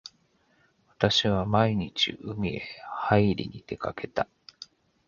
私は毎日海へはいりに出掛けた。